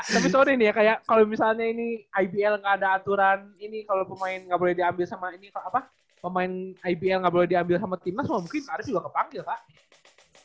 kak tapi sorry nih ya kayak kalo misalnya ini ibl gak ada aturan ini kalo pemain gak boleh diambil sama ini apa pemain ibl gak boleh diambil sama timnas mungkin arief juga kepanggil kak